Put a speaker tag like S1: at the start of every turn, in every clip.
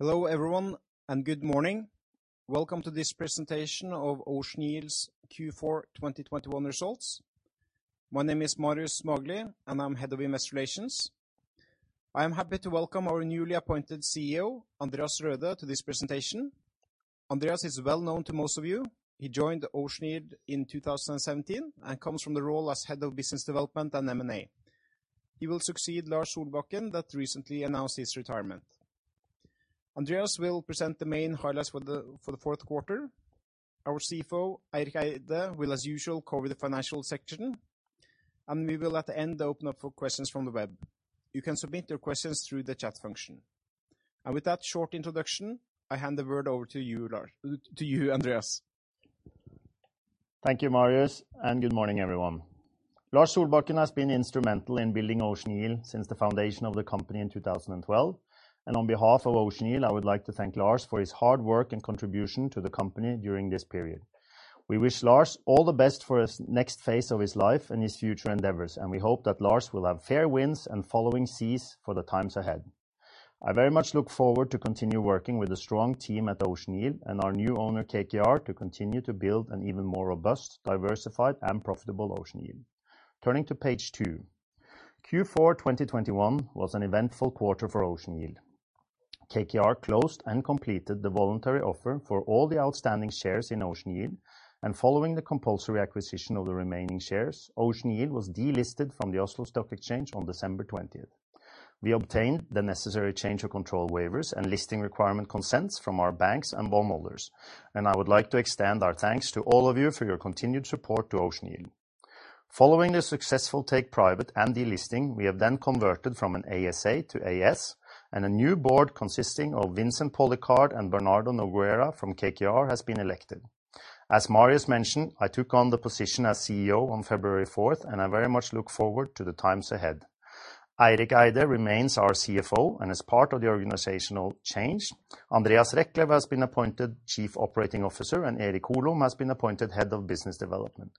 S1: Hello, everyone, and good morning. Welcome to this presentation of Ocean Yield's Q4 2021 results. My name is Marius Magelie, and I'm Head of Investor Relations. I am happy to welcome our newly appointed CEO, Andreas Røde, to this presentation. Andreas is well known to most of you. He joined Ocean Yield in 2017 and comes from the role as Head of Business Development and M&A. He will succeed Lars Solbakken that recently announced his retirement. Andreas will present the main highlights for the Q4. Our CFO, Eirik Eide, will as usual cover the financial section, and we will, at the end, open up for questions from the web. You can submit your questions through the chat function. With that short introduction, I hand the word over to you, Andreas.
S2: Thank you, Marius, and good morning, everyone. Lars Solbakken has been instrumental in building Ocean Yield since the foundation of the company in 2012, and on behalf of Ocean Yield, I would like to thank Lars for his hard work and contribution to the company during this period. We wish Lars all the best for his next phase of his life and his future endeavors, and we hope that Lars will have fair winds and following seas for the times ahead. I very much look forward to continue working with the strong team at Ocean Yield and our new owner, KKR, to continue to build an even more robust, diversified, and profitable Ocean Yield. Turning to page two. Q4 2021 was an eventful quarter for Ocean Yield. KKR closed and completed the voluntary offer for all the outstanding shares in Ocean Yield. Following the compulsory acquisition of the remaining shares, Ocean Yield was delisted from the Oslo Stock Exchange on December twentieth. We obtained the necessary change of control waivers and listing requirement consents from our banks and bondholders, and I would like to extend our thanks to all of you for your continued support to Ocean Yield. Following the successful take private and delisting, we have then converted from an ASA to AS, and a new board consisting of Vincent Policard and Bernardo Nogueira from KKR has been elected. As Marius mentioned, I took on the position as CEO on February fourth, and I very much look forward to the times ahead. Eirik Eide remains our CFO, and as part of the organizational change, Andreas Reklev has been appointed Chief Operating Officer, and Erik Hiller Holom has been appointed Head of Business Development.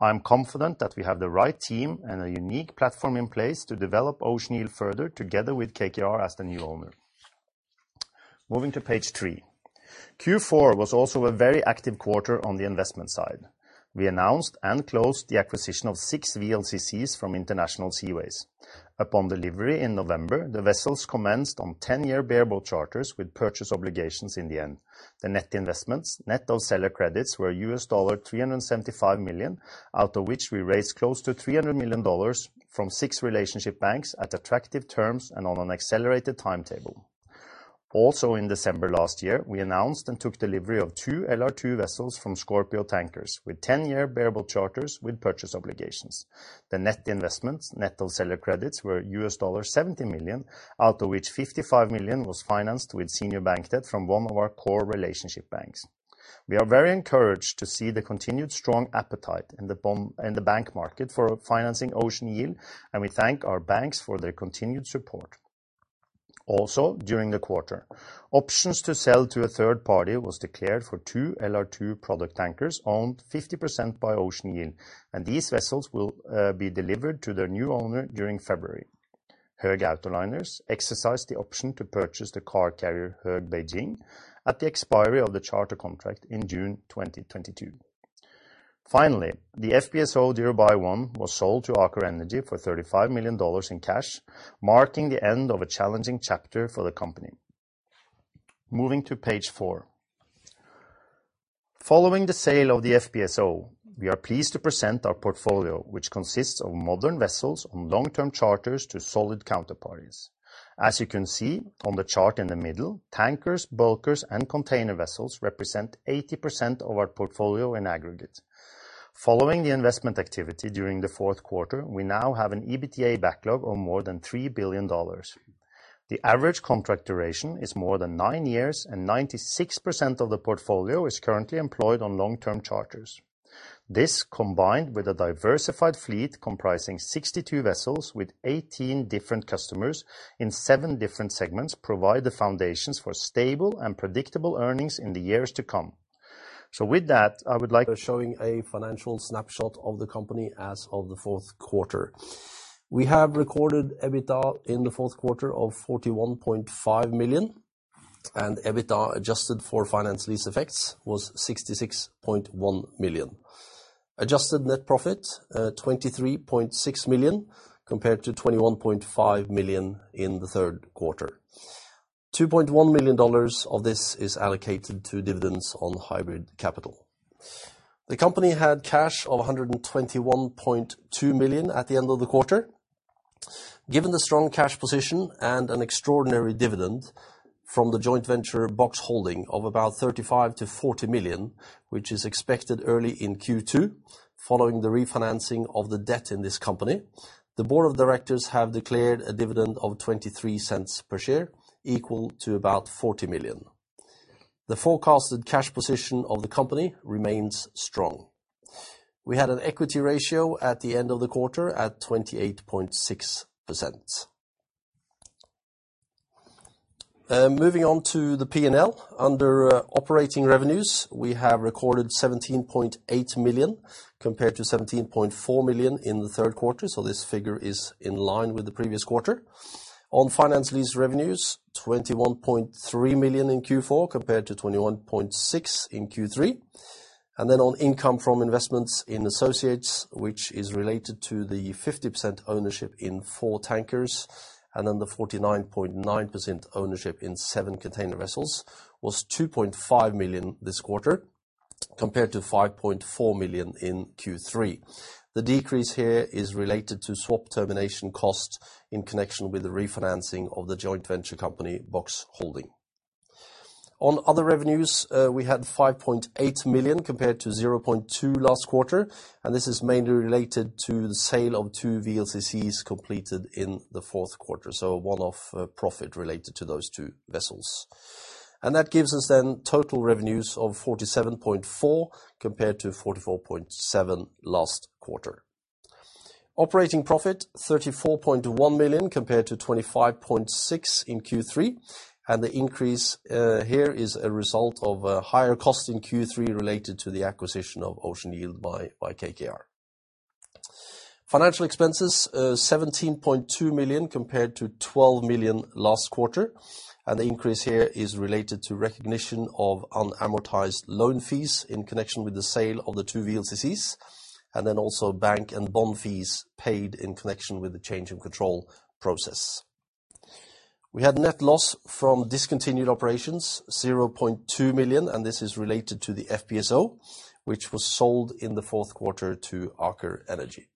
S2: I am confident that we have the right team and a unique platform in place to develop Ocean Yield further together with KKR as the new owner. Moving to page three. Q4 was also a very active quarter on the investment side. We announced and closed the acquisition of 6 VLCCs from International Seaways. Upon delivery in November, the vessels commenced on 10-year bareboat charters with purchase obligations at the end. The net investments, net of seller credits, were $375 million, out of which we raised close to $300 million from 6 relationship banks at attractive terms and on an accelerated timetable. Also, in December last year, we announced and took delivery of 2 LR2 vessels from Scorpio Tankers with 10-year bareboat charters with purchase obligations. The net investments, net of seller credits were $70 million, out of which $55 million was financed with senior bank debt from one of our core relationship banks. We are very encouraged to see the continued strong appetite in the bank market for financing Ocean Yield, and we thank our banks for their continued support. During the quarter, options to sell to a third party was declared for two LR2 product tankers owned 50% by Ocean Yield, and these vessels will be delivered to their new owner during February. Höegh Autoliners exercised the option to purchase the car carrier Höegh Beijing at the expiry of the charter contract in June 2022. Finally, the FPSO Dhirubhai-1 was sold to Aker Energy for $35 million in cash, marking the end of a challenging chapter for the company. Moving to page 4. Following the sale of the FPSO, we are pleased to present our portfolio, which consists of modern vessels on long-term charters to solid counterparties. As you can see on the chart in the middle, tankers, bulkers, and container vessels represent 80% of our portfolio in aggregate. Following the investment activity during the Q4, we now have an EBITDA backlog of more than $3 billion. The average contract duration is more than 9 years, and 96% of the portfolio is currently employed on long-term charters. This, combined with a diversified fleet comprising 62 vessels with 18 different customers in 7 different segments, provide the foundations for stable and predictable earnings in the years to come. With that, I would like
S3: Showing a financial snapshot of the company as of the Q4. We have recorded EBITDA in the Q4 of $41.5 million, and EBITDA adjusted for finance lease effects was $66.1 million. Adjusted net profit $23.6 million compared to $21.5 million in the Q3. $2.1 million of this is allocated to dividends on hybrid capital. The company had cash of $121.2 million at the end of the quarter. Given the strong cash position and an extraordinary dividend from the joint venture Box Holding of about $35 to 40 million, which is expected early in Q2 following the refinancing of the debt in this company, the board of directors have declared a dividend of $0.23 per share, equal to about $40 million. The forecasted cash position of the company remains strong. We had an equity ratio at the end of the quarter at 28.6%. Moving on to the P&L. Under operating revenues, we have recorded $17.8 million compared to $17.4 million in the Q3, so this figure is in line with the previous quarter. On finance lease revenues, $21.3 million in Q4 compared to $21.6 million in Q3. On income from investments in associates, which is related to the 50% ownership in 4 tankers, and then the 49.9% ownership in 7 container vessels, was $2.5 million this quarter compared to $5.4 million in Q3. The decrease here is related to swap termination costs in connection with the refinancing of the joint venture company, Box Holding. On other revenues, we had $5.8 million compared to $0.2 million last quarter, and this is mainly related to the sale of two VLCCs completed in the Q4, so one-off profit related to those two vessels. That gives us then total revenues of $47.4 million compared to $44.7 million last quarter. Operating profit $34.1 million compared to $25.6 million in Q3, and the increase here is a result of a higher cost in Q3 related to the acquisition of Ocean Yield by KKR. Financial expenses $17.2 million compared to $12 million last quarter, and the increase here is related to recognition of unamortized loan fees in connection with the sale of the two VLCCs, and then also bank and bond fees paid in connection with the change in control process. We had net loss from discontinued operations $0.2 million, and this is related to the FPSO which was sold in the Q4 to Aker Energy.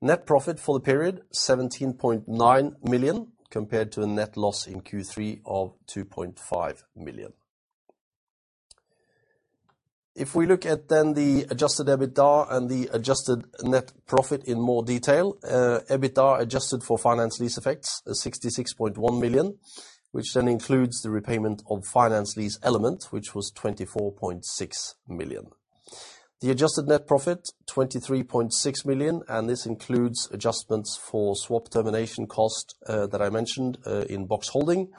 S3: Net profit for the period $17.9 million compared to a net loss in Q3 of $2.5 million. If we look at the adjusted EBITDA and the adjusted net profit in more detail. EBITDA adjusted for finance lease effects is $66.1 million, which then includes the repayment of finance lease element, which was $24.6 million. The adjusted net profit $23.6 million, and this includes adjustments for swap termination cost that I mentioned in Box Holding,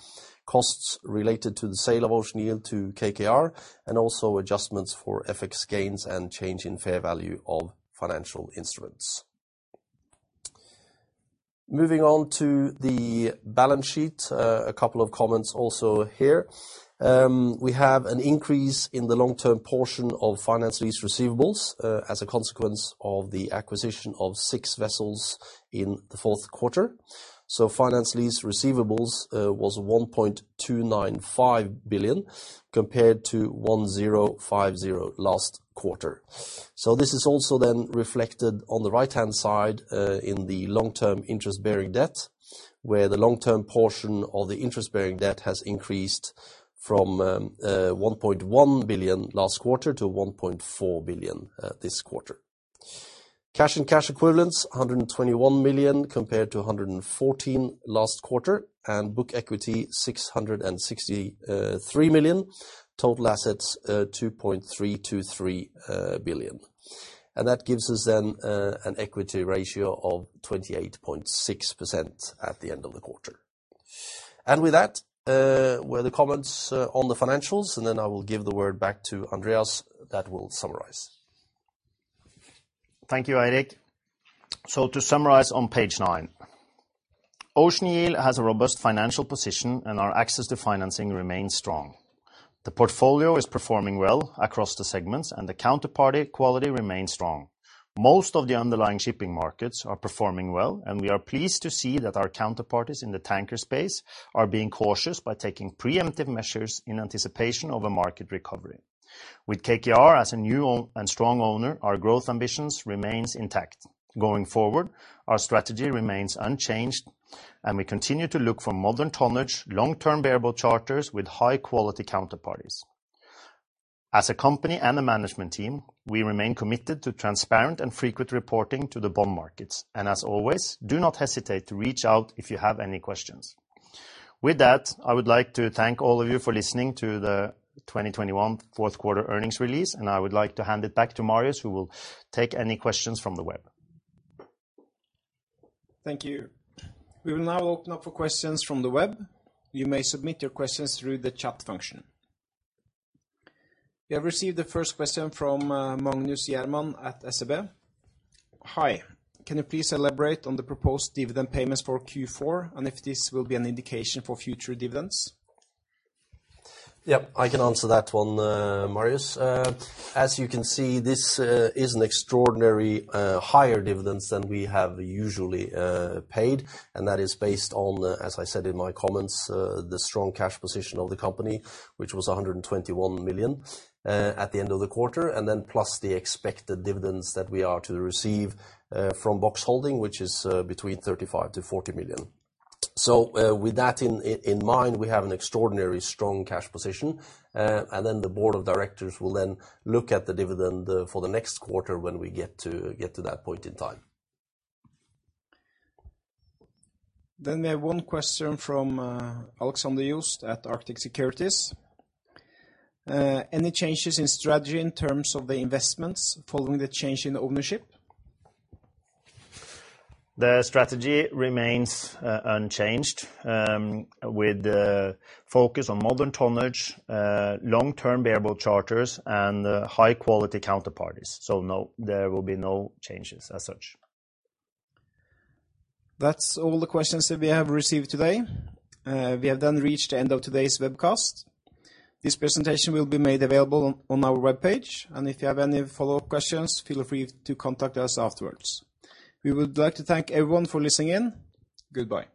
S3: costs related to the sale of Ocean Yield to KKR, and also adjustments for FX gains and change in fair value of financial instruments. Moving on to the balance sheet. A couple of comments also here. We have an increase in the long-term portion of finance lease receivables, as a consequence of the acquisition of six vessels in the Q4. Finance lease receivables was $1.295 billion compared to $1.050 billion last quarter. This is also then reflected on the right-hand side, in the long-term interest-bearing debt, where the long-term portion of the interest-bearing debt has increased from $1.1 billion last quarter to $1.4 billion this quarter. Cash and cash equivalents $121 million compared to $114 million last quarter, and book equity $663 million. Total assets $2.323 billion. That gives us then an equity ratio of 28.6% at the end of the quarter. With that, we're done with the comments on the financials, and then I will give the word back to Andreas that will summarize.
S2: Thank you, Eirik. To summarize on page nine, Ocean Yield has a robust financial position, and our access to financing remains strong. The portfolio is performing well across the segments, and the counterparty quality remains strong. Most of the underlying shipping markets are performing well, and we are pleased to see that our counterparties in the tanker space are being cautious by taking preemptive measures in anticipation of a market recovery. With KKR as a new and strong owner, our growth ambitions remains intact. Going forward, our strategy remains unchanged, and we continue to look for modern tonnage long-term bareboat charters with high quality counterparties. As a company and a management team, we remain committed to transparent and frequent reporting to the bond markets. As always, do not hesitate to reach out if you have any questions. With that, I would like to thank all of you for listening to the 2021 Q4 earnings release, and I would like to hand it back to Marius, who will take any questions from the web.
S1: Thank you. We will now open up for questions from the web. You may submit your questions through the chat function. We have received the first question from Magnus Jerman at SEB. Hi. Can you please elaborate on the proposed dividend payments for Q4 and if this will be an indication for future dividends?
S3: Yeah, I can answer that one, Marius. As you can see, this is an extraordinary higher dividends than we have usually paid, and that is based on, as I said in my comments, the strong cash position of the company, which was $121 million at the end of the quarter, and then plus the expected dividends that we are to receive from Boxholding, which is between $35 to 40 million. With that in mind, we have an extraordinary strong cash position. The board of directors will then look at the dividend for the next quarter when we get to that point in time.
S1: We have one question from Alexander Jost at Arctic Securities. Any changes in strategy in terms of the investments following the change in ownership?
S2: The strategy remains unchanged, with the focus on modern tonnage, long-term bareboat charters and high-quality counterparties. No, there will be no changes as such.
S1: That's all the questions that we have received today. We have then reached the end of today's webcast. This presentation will be made available on our webpage, and if you have any follow-up questions, feel free to contact us afterwards. We would like to thank everyone for listening in. Goodbye.